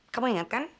kamu ingat kan